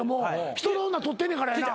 人の女取ってんねんからやな。